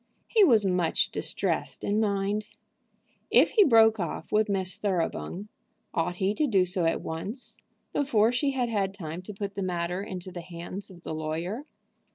He was much distressed in mind. If he broke off with Miss Thoroughbung, ought he to do so at once, before she had had time to put the matter into the hands of the lawyer?